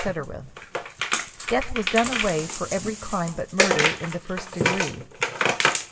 8 86 deuth was done away for every crime but murder in the first degree.